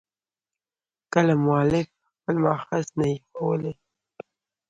کله مؤلف خپل مأخذ نه يي ښولى.